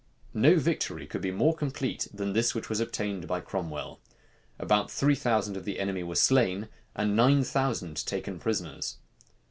No victory could be more complete than this which was obtained by Cromwell. About three thousand of the enemy were slain, and nine thousand taken prisoners.